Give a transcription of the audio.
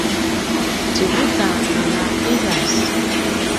tjevuta anga qiljas